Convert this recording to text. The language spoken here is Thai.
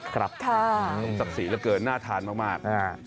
ศักดิ์สีเกินน่าทานมาก